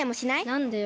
なんでよ？